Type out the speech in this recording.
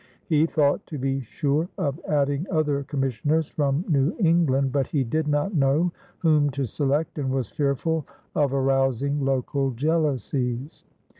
He thought, to be sure, of adding other commissioners from New England, but he did not know whom to select and was fearful of arousing local jealousies.